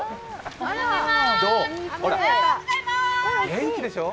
元気でしょ。